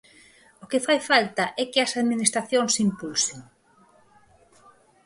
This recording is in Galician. O que fai falta é que as administracións impulsen.